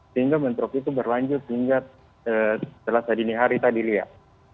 sehingga bentrok itu berlanjut hingga selasa dini hari tadi lihat